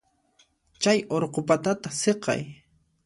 Chay urqu patata siqay.